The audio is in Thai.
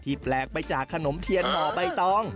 แปลกไปจากขนมเทียนห่อใบตอง